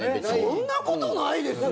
そんなことないですよ！